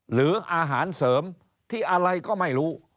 หรืออาหารเสริมที่อะไรก็ไม่รู้